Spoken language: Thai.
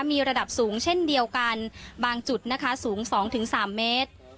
มีระดับสูงเช่นเดียวกันบางจุดนะคะสูง๒๓เมตร